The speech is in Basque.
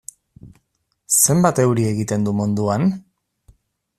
Zenbat euri egiten du munduan?